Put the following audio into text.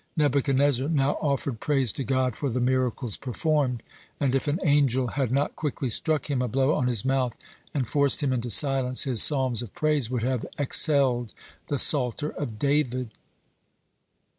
Nebuchadnezzar now offered praise to God for the miracles performed, and if an angel had not quickly struck him a blow on his mouth, and forced him into silence, his psalms of praise would have excelled the Psalter of David.